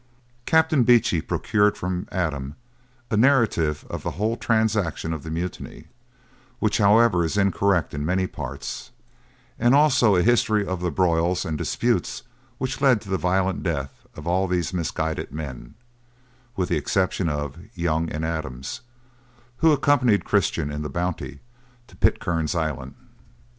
Captain Beechey procured from Adams a narrative of the whole transaction of the mutiny, which however is incorrect in many parts; and also a history of the broils and disputes which led to the violent death of all these misguided men (with the exception of Young and Adams), who accompanied Christian in the Bounty to Pitcairn's Island.